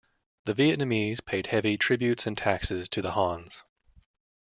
The Vietnamese paid heavy tributes and taxes to the Hans.